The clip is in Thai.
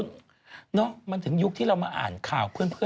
ฉันไปเรียกตัวเองว่าป้าแล้วสินใจ